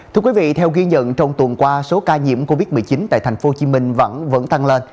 thưa quý vị theo ghi nhận trong tuần qua số ca nhiễm covid một mươi chín tại tp hcm vẫn tăng lên